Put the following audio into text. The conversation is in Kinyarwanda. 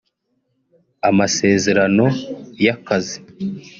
amasezerano y’akazi